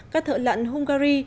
các thợ lặn hungary